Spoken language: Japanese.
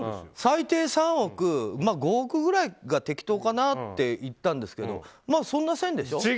最低３億、５億ぐらいが適当かなって言ったんですけどそんな線でしょ？